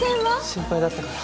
心配だったから。